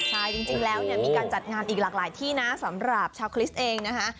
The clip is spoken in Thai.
ใช่จริงแล้วเนี่ยมีการจัดงานอีกหลากหลายที่นะสำหรับชาวคริสต์เองนะคะ